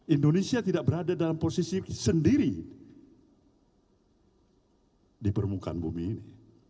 indonesia tidak berada dalam posisi sendiri di permukaan bumi ini